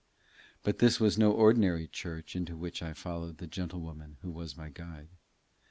But this was no ordinary church into which I followed the gentlewoman who was my guide.